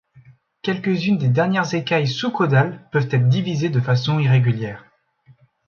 Quelques-unes des dernières écailles sous-caudales peuvent être divisées de façon irrégulière.